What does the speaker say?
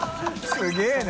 すげぇな。